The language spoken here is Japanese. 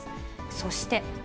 そして。